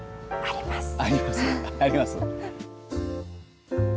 あります？